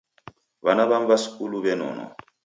W'ana w'amu w'a skulu w'enonwa.